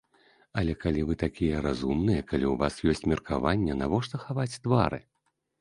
Але калі вы такія разумныя, калі ў вас ёсць меркаванне, навошта хаваць твары?